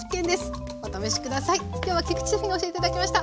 今日は菊地シェフに教えて頂きました。